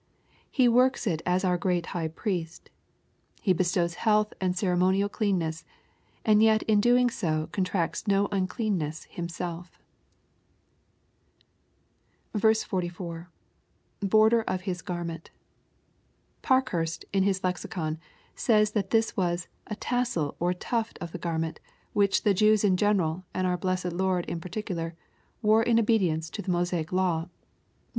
He works it as our great High Priest. He bestows health and cei^emonial cleanness, and yet in doing sc contracts no uncleanness himself iA,—\Border of His garment] Parkhurst, in his lexicon, says that this was " a tassel, or tuft of the garment, which the Jews in general, and our blessed Lord in particular, wore in obedience to &e Mosaic law (Numb.